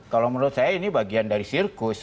kalau menurut saya ini bagian dari sirkus